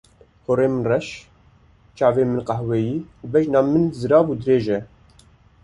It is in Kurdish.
Porê min reş, çavên min qehweyî û bejna min zirav û dirêj e.